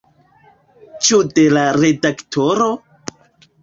Ĉu de la redaktoro?